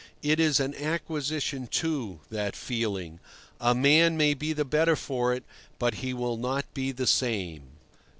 It is an acquisition, too, that feeling. A man may be the better for it, but he will not be the same.